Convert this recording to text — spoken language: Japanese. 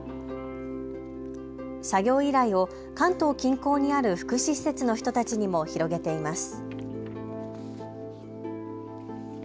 作業依頼を関東近郊にある福祉施設の人たちにも広げています。